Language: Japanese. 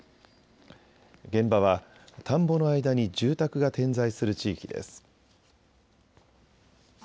現場は田んぼの間に住宅が点在する地域です。